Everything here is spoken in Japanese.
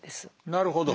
なるほど。